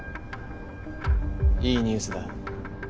いいニュースだ。